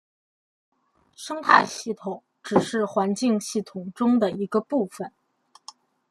生态系统只是环境系统中的一个部分。